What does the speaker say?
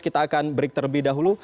kita akan break terlebih dahulu